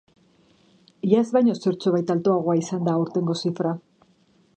Iaz baino zertxobait altuagoa izan da aurtengo zifra.